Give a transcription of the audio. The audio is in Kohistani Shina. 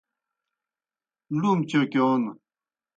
لُوم چوکِیون